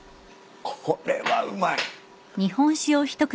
これはうまい。